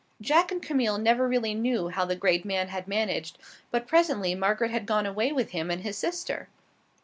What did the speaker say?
Jack and Camille never really knew how the great man had managed, but presently Margaret had gone away with him and his sister.